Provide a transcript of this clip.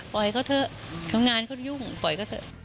เขาเถอะทำงานเขาจะยุ่งปล่อยเขาเถอะ